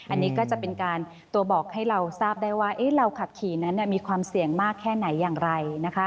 อันนี้ก็จะเป็นการตัวบอกให้เราทราบได้ว่าเราขับขี่นั้นมีความเสี่ยงมากแค่ไหนอย่างไร